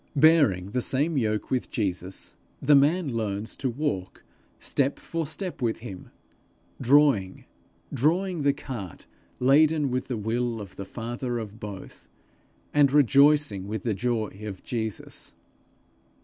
Bearing the same yoke with Jesus, the man learns to walk step for step with him, drawing, drawing the cart laden with the will of the father of both, and rejoicing with the joy of Jesus.